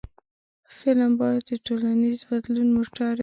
فلم باید د ټولنیز بدلون موټر وي